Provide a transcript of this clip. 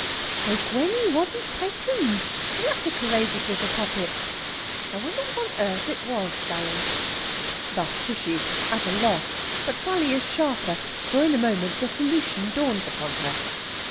"So Gwenny wasn't pitened! What a courageous little poppet! I wonder what on earth it was, Sally." Thus Tishy, at a loss. But Sally is sharper, for in a moment the solution dawns upon her.